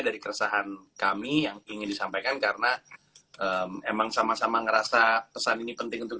dari keresahan kami yang ingin disampaikan karena emang sama sama ngerasa pesan ini penting untuk